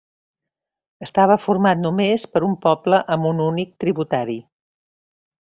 Estava format només per un poble amb un únic tributari.